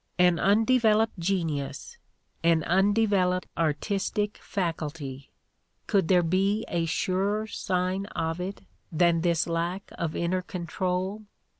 An undeveloped genius, an undeveloped artistic fac ulty — could there be a surer sign of it than this lack of inner control?